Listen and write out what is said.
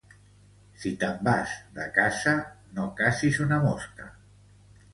Si te'n vas de casa no cacis una mosca